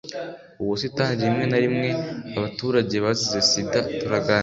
ubusitani rimwe na rimwe; abaturage bazize sida turaganira